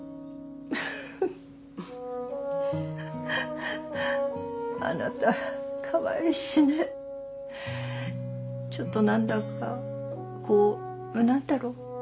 ふふっあなたかわいいしねちょっとなんだかこうなんだろう？